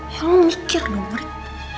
ya lo mikir dong rik